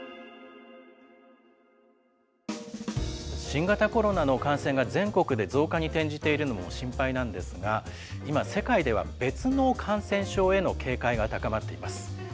新型コロナの感染が全国で増加に転じているのも心配なんですが、今、世界では別の感染症への警戒が高まっています。